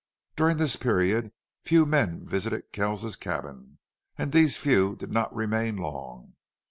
During this period few men visited Kells's cabin, and these few did not remain long.